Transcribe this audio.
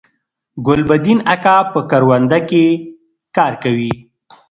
ګلبدین اکا په کرونده کی کار کوي